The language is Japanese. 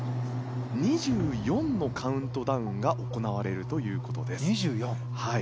２４のカウントダウンが行われるということです。